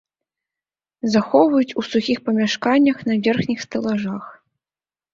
Захоўваюць у сухіх памяшканнях на верхніх стэлажах.